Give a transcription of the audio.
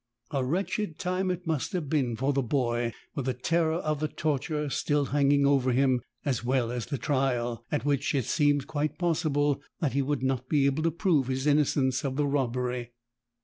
A wretched time it must have been for the boy, with the terror of the torture still hanging over him, as well as the trial — at which it seemed quite possible that he would not be able to prove his innocence of the robbery.